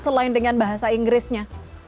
selain dengan bahasa inggrisnya